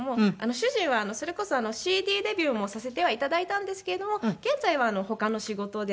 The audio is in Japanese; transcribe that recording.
主人はそれこそＣＤデビューもさせては頂いたんですけれども現在は他の仕事で。